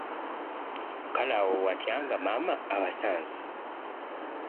Kale awo watya nga maama abasanze?